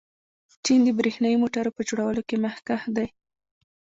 چین د برښنايي موټرو په جوړولو کې مخکښ دی.